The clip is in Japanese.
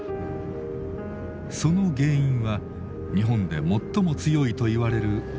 その原因は日本で最も強いと言われる襟裳岬の風。